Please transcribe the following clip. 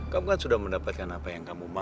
kamu kan sudah mendapatkan apa yang kamu mau